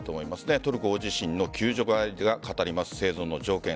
トルコ地震の救助隊が語る生存の条件。